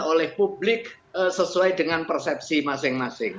oleh publik sesuai dengan persepsi masing masing